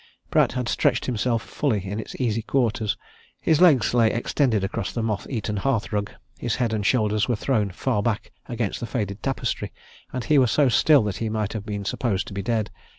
Pratt had stretched himself fully in his easy quarters his legs lay extended across the moth eaten hearth rug; his head and shoulders were thrown far back against the faded tapestry, and he was so still that he might have been supposed to be dead.